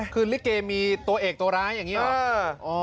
คือลิเกมีตัวเอกตัวร้ายอย่างนี้หรอ